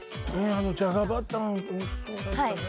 あのじゃがバターおいしそうだったね